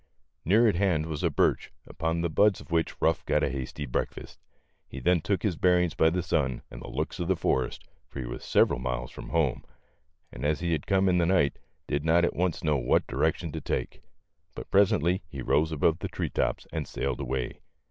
Near at hand was a birch, upon the buds of which Ruff got a hasty breakfast. He then took his bearings by the sun and the looks of the forest, for he was several miles from home, and as he had come in the night, did not at once know what direc tion to take ; but presently he rose above the tree tops, and sailed away.